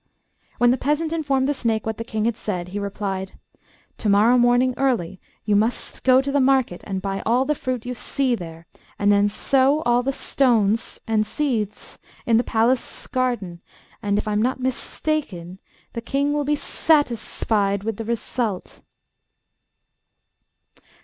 When the peasant informed the snake what the King had said, he replied, 'To morrow morning, early, you must go to the market and buy all the fruit you see there, and then sow all the stones and seeds in the palace garden, and, if I'm not mistaken, the King will be satisfied with the result.